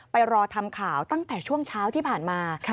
รอทำข่าวตั้งแต่ช่วงเช้าที่ผ่านมา